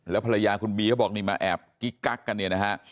ภรรยาคุณบีเขาบอกนี่มาแอบกิ๊กกักกันเนี่ยนะฮะ